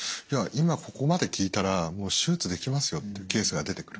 今ここまで効いたらもう手術できますよというケースが出てくる。